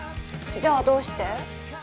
じゃあどうして？